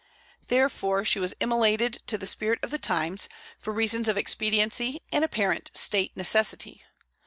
Therefore she was immolated to the spirit of the times, for reasons of expediency and apparent state necessity.